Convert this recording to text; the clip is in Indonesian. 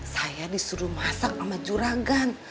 saya disuruh masak sama juranggan